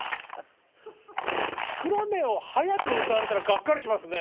「シクラメン」を早く歌われたらがっかりしますね。